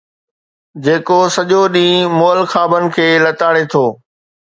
جيڪو سڄو ڏينهن مئل خوابن کي لتاڙي ٿو